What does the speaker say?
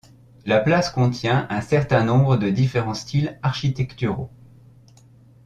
La place contient un certain nombre de différents styles architecturaux.